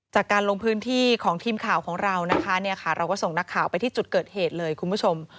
จากการลงพื้นที่ของทีมข่าวของเรานะคะเนี่ยค่ะเราก็ส่งนักข่าวไปที่จุดเกิดเหตุเลยคุณผู้ชม